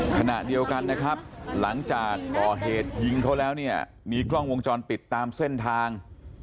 ขณะเดียวกันนะครับหลังจากก่อเหตุยิงเขาแล้วเนี่ยมีกล้องวงจรปิดตามเส้นทาง